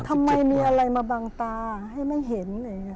ทำไมมีอะไรมาบังตาให้ไม่เห็น